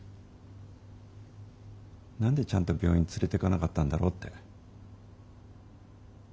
何でちゃんと病院連れていかなかったんだろうって。